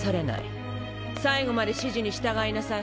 最後まで指示に従いなさい。